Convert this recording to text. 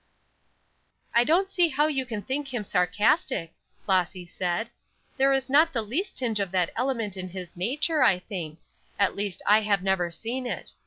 "I don't see how you can think him sarcastic," Flossy said. "There is not the least tinge of that element in his nature, I think; at least I have never seen it.